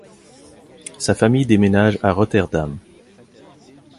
Sa famille déménage à Rotterdam.